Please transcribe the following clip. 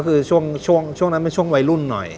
คือช่วงนั้นเป็นช่วงวัยรุ่นหน่อย